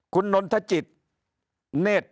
คุณนนทจิตเนธ